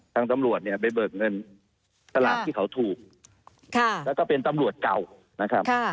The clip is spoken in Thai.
ตำรวจเนี่ยไปเบิกเงินสลากที่เขาถูกแล้วก็เป็นตำรวจเก่านะครับ